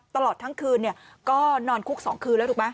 ตลอดทั้งคืนก็นอนคุก๒คืนแล้วถูกไหม